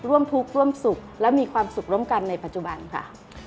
ร่วมทุกข์ร่วมสุขและมีความสุขร่วมกันในปัจจุบันค่ะ